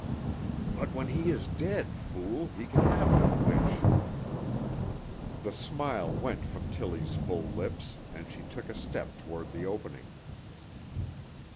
"But when he is dead, fool, he can have no wish." The smile went from Tillie's full lips and she took a step toward the opening.